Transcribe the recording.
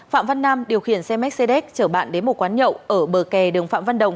phạm văn nam điều khiển xe mercedes chở bạn đến một quán nhậu ở bờ kè đường phạm văn đồng